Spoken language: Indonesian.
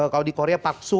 kalau di korea paksu